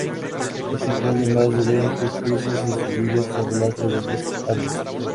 Este incluye más de veinte especies distribuidas a lo largo de los Andes.